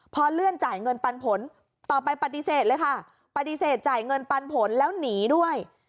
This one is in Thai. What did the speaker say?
พอเลื่อนจ่ายเงินปันผลต่อไปปฏิเสธเลยค่ะปฏิเสธจ่ายเงินปันผลแล้วหนีด้วย